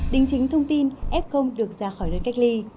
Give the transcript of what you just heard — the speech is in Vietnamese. đình chính thông tin f được ra khỏi đơn cách ly